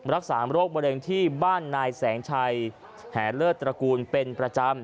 รักษาโรคมะเร็งที่บ้านนายแสงชัยแหเลิศตระกูลเป็นประจำ